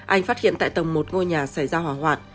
anh phát hiện tại tầng một ngôi nhà xảy ra hỏa hoạn